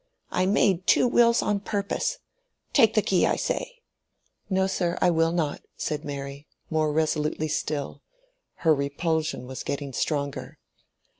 I made two wills on purpose. Take the key, I say." "No, sir, I will not," said Mary, more resolutely still. Her repulsion was getting stronger.